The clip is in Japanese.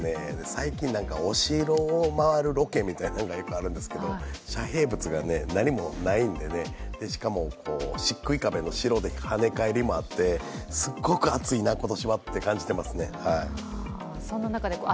最近お城を回るロケなんていうのがあるんですけど遮蔽物が何もないんでね、しかもしっくい壁も白ではね返りもあってすっごく暑いな、今年はと感じていますね。